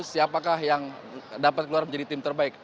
siapakah yang dapat keluar menjadi tim terbaik